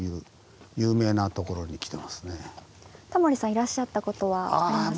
いらっしゃったことはありますか？